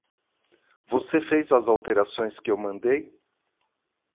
Você fez as alterações que eu mandei?